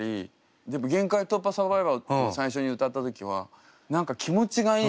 でも「限界突破×サバイバー」っていう最初に歌った時は何か気持ちがいい。